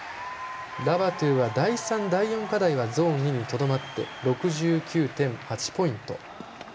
ラバトゥは第３、第４課題はゾーン２にとどまって６９．８ポイント。